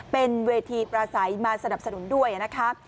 เป็นเวทีประสัยมาสนับสนุนด้วยนะคะ